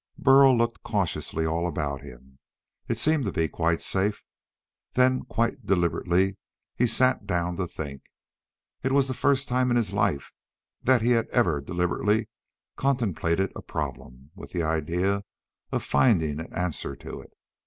Burl looked cautiously all about him. It seemed to be quite safe. Then, quite deliberately, he sat down to think. It was the first time in his life that he had ever deliberately contemplated a problem with the idea of finding an answer to it.